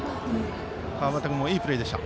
川端君もいいプレーでした。